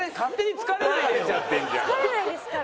疲れないですから。